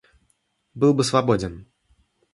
Был бы свободен.